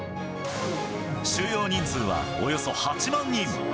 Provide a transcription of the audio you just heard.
収容人数はおよそ８万人。